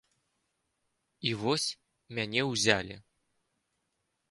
І вось, мяне ўзялі.